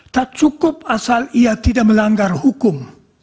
tak cukup asal ia tidak melanggar hukum